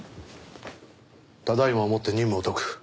ただ今をもって任務を解く。